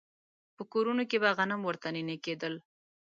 په کورونو کې به غنم ورته نينې کېدل.